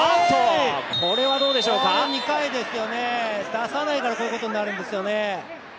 出さないから、こういうことになるんですよね。